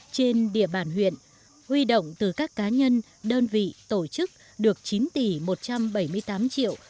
trên địa bàn huyện huy động từ các cá nhân đơn vị tổ chức được chín tỷ một trăm bảy mươi tám triệu